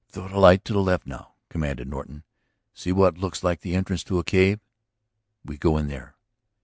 "Throw the light to the left now," commanded Norton. "See what looks like the entrance to a cave? We go in there."